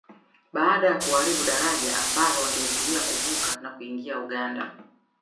Baada ya kuharibu daraja ambalo wangetumia kuvuka na kuingia Uganda